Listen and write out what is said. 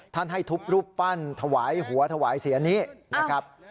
ให้ทุบรูปปั้นถวายหัวถวายเสียนี้นะครับ